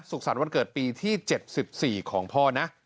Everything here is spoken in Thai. สรรค์วันเกิดปีที่๗๔ของพ่อนะ